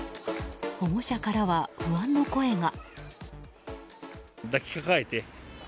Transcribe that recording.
保護者からは不安の声が。